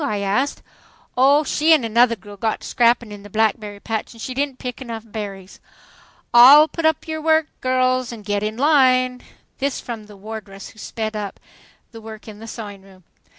I asked. "Oh, she an' another girl got to scrapping in the blackberry patch and she didn't pick enough berries. ." "All put up your work, girls, and get in line." This from the wardress, who sped up the work in the sewing room.